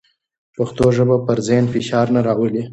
پښتو ژبه پر ذهن فشار نه راولي.